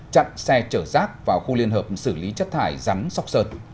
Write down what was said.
chặn xe chở rác vào khu liên hợp xử lý chất thải rắn sóc sơn